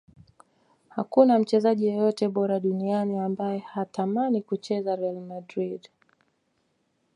hakuna mchezaji yeyote bora duniani ambaye hatamani kucheza real madrid